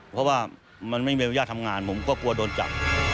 เพราะว่ามันไม่มีอนุญาตทำงานผมก็กลัวโดนจับ